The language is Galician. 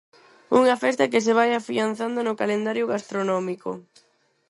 Unha festa que se vai afianzando no calendario gastronómico.